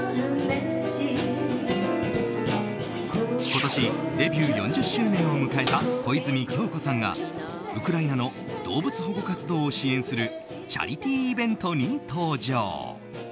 今年デビュー４０周年を迎えた小泉今日子さんがウクライナの動物保護活動を支援するチャリティーイベントに登場。